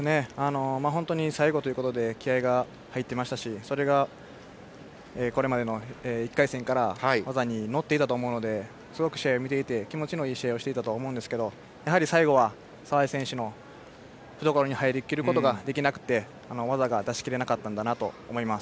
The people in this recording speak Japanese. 最後ということで気合いが入っていましたしそれが１回戦から技に乗っていたのですごく試合を見ていて気持ちのいい試合をしていたと思うんですけどやはり最後は澤江選手の懐に入りきることができなくて技を出し切れなかったんだなと思います。